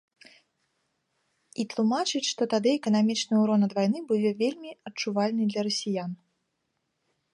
І тлумачыць, што тады эканамічны ўрон ад вайны будуць вельмі адчувальныя для расіян.